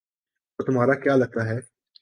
وہ تمہارا کیا لگتا ہے